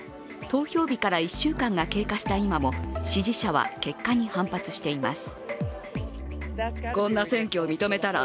投票日から１週間経過した今も支持者は結果に反発しています。